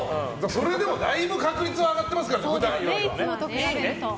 それも確率は上がってますからね、普段より。